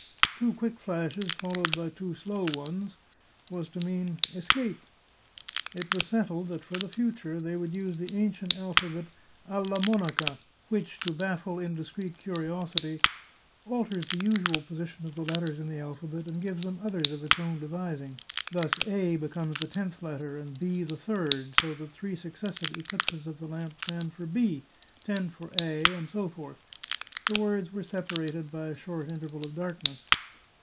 Two quick flashes, followed by two slow ones, was to mean " escape." It was settled that for the future they would use the ancient alphabet " alia monaca," which, to baffle indis creet curiosity, alters the usual position of the letters in the alphabet, and gives them others of its own devising. Thus, " A " becomes the tenth letter, and " B " the third ; so that three successive eclipses of the lamp stand for " B," ten for " A," and so forth. The words were separated by a short interval of darkness.